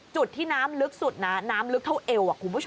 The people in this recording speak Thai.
จุดที่น้ำลึกสุดนะน้ำลึกเท่าเอวคุณผู้ชม